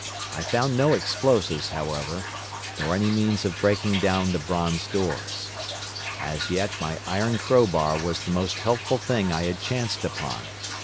I found no explosives, however, nor any means of breaking down the bronze doors. As yet my iron crowbar was the most helpful thing I had chanced upon.